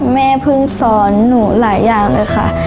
แม่เพิ่งสอนหนูหลายอย่างเลยค่ะ